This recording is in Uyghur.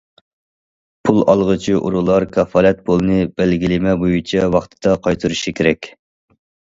پۇل ئالغۇچى ئورۇنلار كاپالەت پۇلىنى بەلگىلىمە بويىچە ۋاقتىدا قايتۇرۇشى كېرەك.